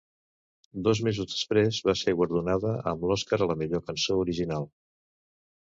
Dos mesos després, va ser guardonada amb l'Oscar a la millor cançó original.